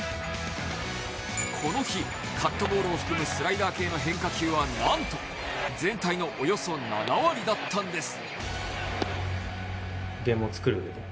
この日、カットボールを含むスライダー系の変化球は何と全体のおよそ７割だったんです。